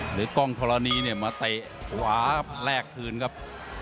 กล้องธรณีเนี่ยมาเตะขวาแลกคืนครับ